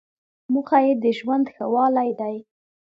موخه یې د ژوند ښه والی دی.